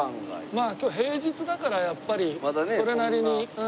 まあ今日平日だからやっぱりそれなりに。